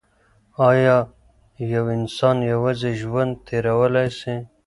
ایا یو انسان یوازي ژوند تیرولای سي؟